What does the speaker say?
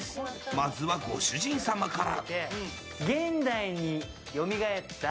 まずは、ご主人様から。